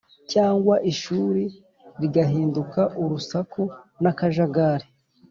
cyangwa ishuri rigahinduka urusaku n’akajagari